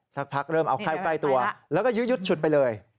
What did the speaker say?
สักพักเริ่มเอาเข้าใกล้ตัวแล้วก็ยื้อยุดฉุดไปเลย